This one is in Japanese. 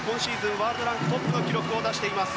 ワールドランクトップの記録を出しています。